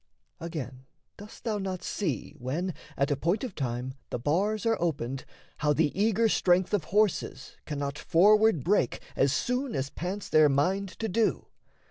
Again, Dost thou not see, when, at a point of time, The bars are opened, how the eager strength Of horses cannot forward break as soon As pants their mind to do?